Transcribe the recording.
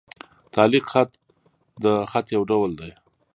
تعلیق خط؛ د خط یو ډول دﺉ.